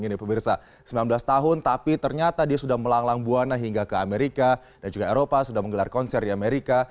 ini pemirsa sembilan belas tahun tapi ternyata dia sudah melanglang buana hingga ke amerika dan juga eropa sudah menggelar konser di amerika